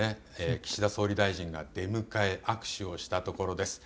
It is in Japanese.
岸田総理大臣が出迎え握手をしたところです。